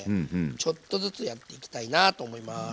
ちょっとずつやっていきたいなと思います。